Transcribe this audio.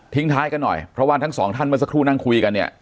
ท้ายกันหน่อยเพราะว่าทั้งสองท่านเมื่อสักครู่นั่งคุยกันเนี่ย